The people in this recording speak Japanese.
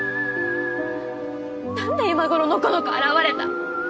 何で今頃のこのこ現れた？